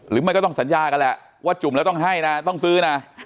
ไม่ต้องสัญญากันแหละว่าจุ่มแล้วต้องให้นะต้องซื้อนะ